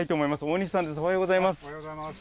おはようございます。